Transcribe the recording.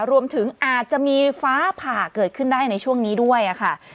รวมถึงอาจจะมีฟ้าผ่าเกิดขึ้นได้ในช่วงนี้ด้วยค่ะ